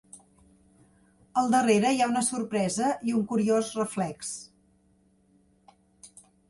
Al darrere hi ha una sorpresa i un curiós reflex.